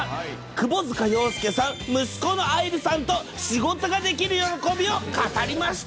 窪塚洋介さん、息子の愛流さんと仕事ができる喜びを語りました。